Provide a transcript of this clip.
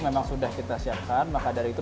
memang sudah kita siapkan maka dari itu